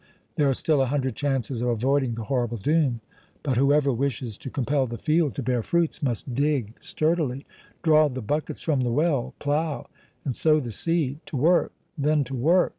There are still a hundred chances of avoiding the horrible doom. But whoever wishes to compel the field to bear fruits must dig sturdily, draw the buckets from the well, plough, and sow the seed. To work, then, to work!